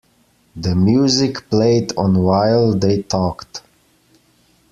The music played on while they talked.